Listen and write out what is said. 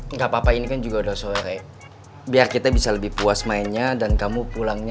enggak apa apa ini kan juga udah sore biar kita bisa lebih puas mainnya dan kamu pulangnya